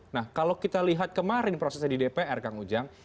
nah kalau kita lihat kemarin prosesnya di dpr kang ujang